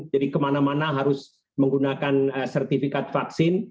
jadi kemana mana harus menggunakan sertifikat vaksin